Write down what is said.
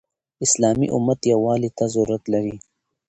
اسلامي امت يووالي ته ضرورت لري.